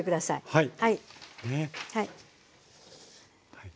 はい。